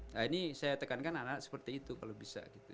nah ini saya tekankan anak anak seperti itu kalau bisa gitu